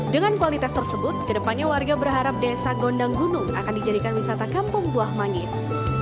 dengan kualitas tersebut kedepannya warga berharap desa gondang gunung akan dijadikan wisata kampung buah manggis